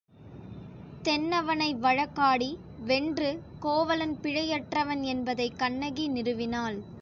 தென்னவனை வழக்காடி வென்று கோவலன் பிழை யற்றவன் என்பதைக் கண்ணகி நிறுவினாள்.